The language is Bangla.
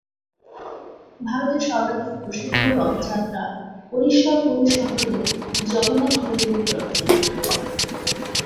ভারতের সর্বাধিক প্রসিদ্ধ রথযাত্রা ওড়িশার পুরী শহরের জগন্নাথ মন্দিরের রথযাত্রা।